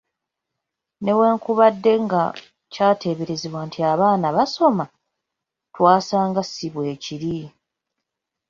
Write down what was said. "Newankubadde nga kyateeberezebwa nti abaana basoma, twasanga si bwekiri."